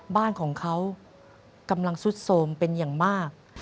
บ้านของเขากำลังซุดโสมเป็นอย่างมาก